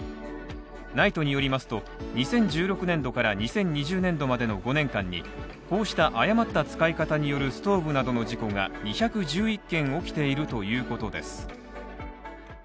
ＮＩＴＥによりますと、２０１６年度から２０２０年度までの５年間にこうした誤った使い方によるストーブなどの事故が２１１件起きているということです。